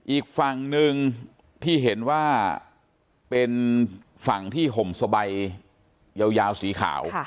อีกฝั่งหนึ่งที่เห็นว่าเป็นฝั่งที่ห่มสบายยาวสีขาว